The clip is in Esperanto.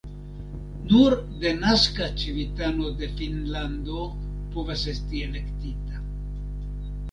Nur denaska civitano de Finnlando povas esti elektita.